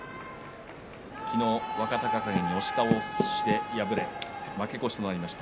昨日、若隆景に押し倒しで敗れ負け越しとなりました。